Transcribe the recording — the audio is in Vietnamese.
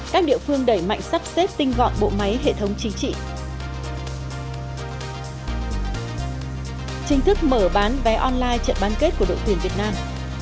chính thức mở bán vé online trận ban kết của đội tuyển việt nam